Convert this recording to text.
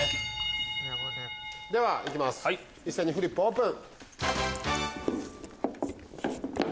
では行きます一斉にフリップオープン！